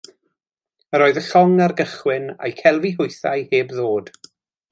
Yr oedd y llong ar gychwyn, a'u celfi hwythau heb ddod.